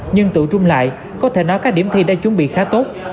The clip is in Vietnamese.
nhưng tự trung lại có thể nói các điểm thi đã chuẩn bị khá tốt